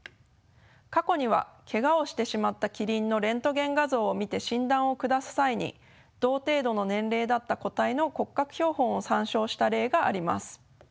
過去にはけがをしてしまったキリンのレントゲン画像を見て診断を下す際に同程度の年齢だった個体の骨格標本を参照した例があります。